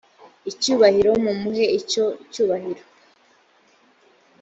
icyubahiro mumuhe icyo cyubahiro